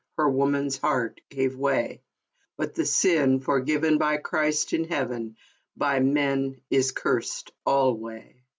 Her woman's heart gave way !— But the sin, forgiven by Christ in Heaven, By man is cursed alway